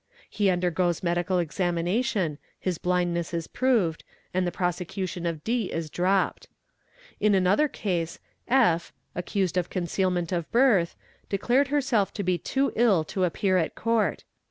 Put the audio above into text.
He undergoes medical examination, his blindness is proved, and the prosecution of D is dropped. In another case F', accused of concealment of birth, declared a to be too ill to appear at Court.